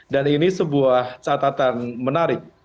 dan ini sebuah catatan menarik